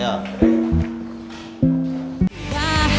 ayo ayo buru buru perut